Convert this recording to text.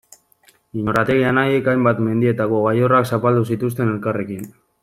Iñurrategi anaiek hainbat mendietako gailurrak zapaldu zituzten elkarrekin.